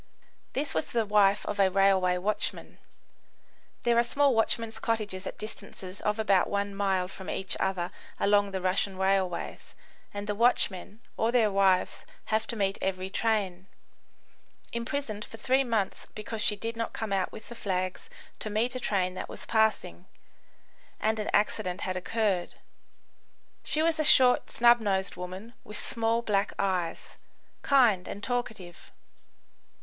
This was the wife of a railway watchman, [There are small watchmen's cottages at distances of about one mile from each other along the Russian railways, and the watchmen or their wives have to meet every train.] imprisoned for three months because she did not come out with the flags to meet a train that was passing, and an accident had occurred. She was a short, snub nosed woman, with small, black eyes; kind and talkative.